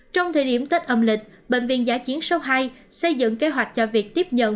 trong thời điểm tết âm lịch bệnh viện giã chiến số hai xây dựng kế hoạch cho việc tiếp nhận